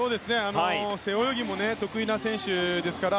背泳ぎも得意な選手ですから。